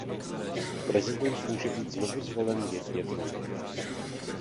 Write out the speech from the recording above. Prezident může být znovu zvolen jen jednou.